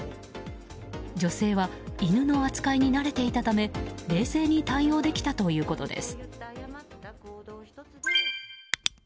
女性は犬の扱いに慣れていたため冷静に対応できたということです。